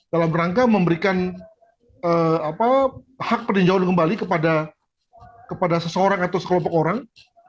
dalam rangka memberikan hak peninjauan kembali kepada seseorang atau sekelompok orang